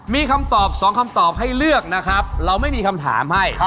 มีคำตอบสองคำตอบให้เลือกนะครับเราไม่มีคำถามให้